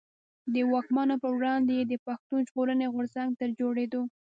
د واکمنو پر وړاندي يې د پښتون ژغورني غورځنګ تر جوړېدو.